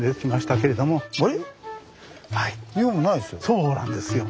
そうなんですよ。